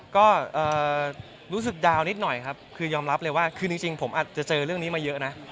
ก็รู้สึกดาวนิดหน่อยครับคือยอมรับเลยว่าคือจริงผมอาจจะเจอเรื่องนี้มาเยอะนะ